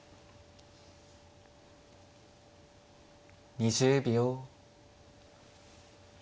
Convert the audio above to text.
２０秒。